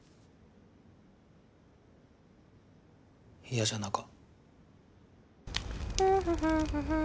嫌じゃなか。